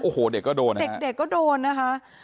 โอ้โหเด็กก็โดนเด็กก็โดนนะคะ